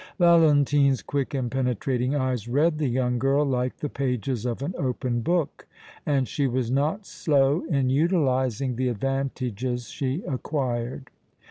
Valentine's quick and penetrating eyes read the young girl like the pages of an open book, and she was not slow in utilizing the advantages she acquired.